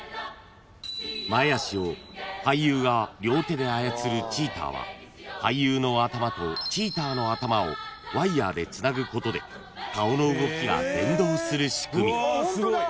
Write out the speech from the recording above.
［前脚を俳優が両手で操るチーターは俳優の頭とチーターの頭をワイヤーでつなぐことで顔の動きが連動する仕組み］